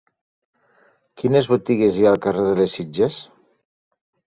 Quines botigues hi ha al carrer de les Sitges?